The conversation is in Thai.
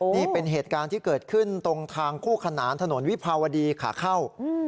นี่เป็นเหตุการณ์ที่เกิดขึ้นตรงทางคู่ขนานถนนวิภาวดีขาเข้า